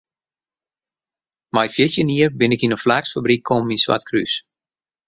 Mei fjirtjin jier bin ik yn in flaaksfabryk kommen yn Swartkrús.